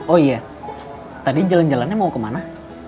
oh iya tadi jalan jalannya mau kemana